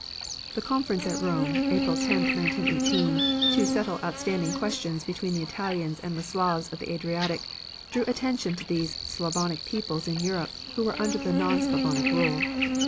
The conference at Rome, April 10, 1918, to settle outstanding questions between the Italians and the Slavs of the Adriatic, drew attention to those Slavonic peoples in Europe who were under non Slavonic rule.